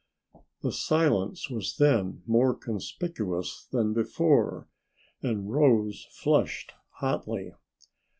The silence was then more conspicuous than before and Rose flushed hotly.